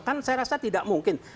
kan saya rasa tidak mungkin